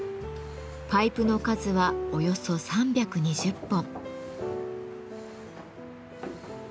パイプの数はおよそ３２０本。